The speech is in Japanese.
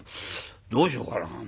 どうしようかな？